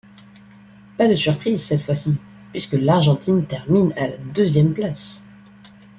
Pas de surprise cette fois-ci puisque l'Argentine termine à la deuxième place.